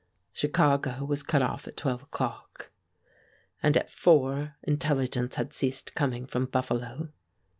Chicago was cut off at twelve o'clock. And at four intelligence had ceased coming from Buffalo.